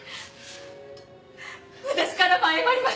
私からも謝ります。